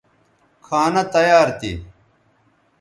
کھانہ تیار تھی